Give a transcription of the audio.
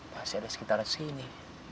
pasti ada di skiitara sini